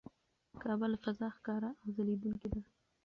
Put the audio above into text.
کعبه له فضا ښکاره او ځلېدونکې ده.